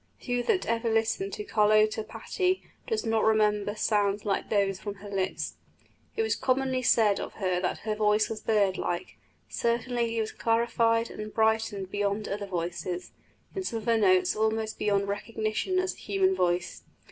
Who that ever listened to Carlotta Patti does not remember sounds like these from her lips? It was commonly said of her that her voice was bird like; certainly it was clarified and brightened beyond other voices in some of her notes almost beyond recognition as a human voice.